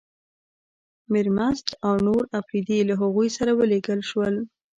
میرمست او نور اپرېدي له هغوی سره ولېږل شول.